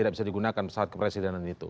tidak bisa digunakan pesawat kepresidenan itu